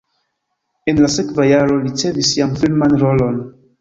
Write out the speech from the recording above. En la sekva jaro li ricevis jam filman rolon.